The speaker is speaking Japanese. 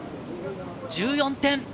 １４点。